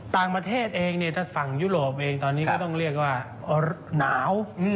ต่างประเทศเองเนี้ยฝั่งยุโรปเองยังต้องเรียกว่าหนาว